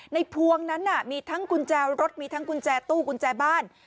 พวงนั้นมีทั้งกุญแจรถมีทั้งกุญแจตู้กุญแจบ้าน